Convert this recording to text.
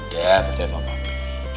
udah percaya sama papi